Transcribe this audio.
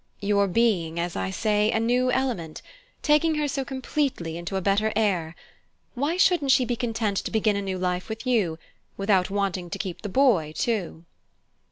"Your being, as I say, a new element; taking her so completely into a better air. Why shouldn't she be content to begin a new life with you, without wanting to keep the boy too?"